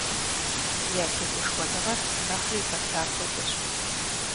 Я тегушхуэныгъэр нэхъри бэта хуэдэщ.